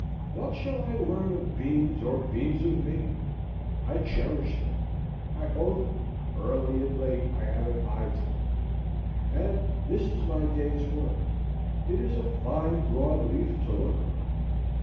What shall I learn of beans or beans of me? I cherish them, I hoe them, early and late I have an eye to them; and this is my day's work. It is a fine broad leaf to look on.